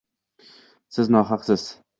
Siz nohaqsiz.